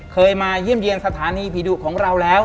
เคยมาเยี่ยมเยี่ยมสถานีผีดุของเราแล้ว